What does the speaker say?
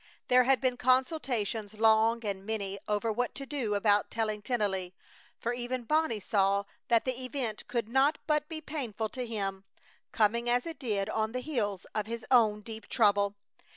There had been consultations long and many over what to do about telling Tennelly, for even Bonnie saw that the event could not but be painful to him, coming as it did on the heels of his own deep trouble.